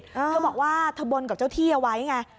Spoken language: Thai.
เธอบอกว่าเธอบนกับเจ้าที่เอาไว้ไง